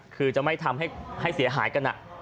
คือจะไม่ทำให้เสียหายกัน